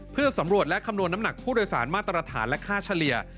เพื่อสำรวจและคำนวณน้ำหนักผู้โดยสารมาตรฐานและค่าเฉลี่ย